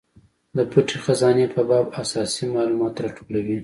د پټې خزانې په باب اساسي مالومات راټولوي.